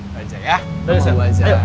sama aja ya sama gue aja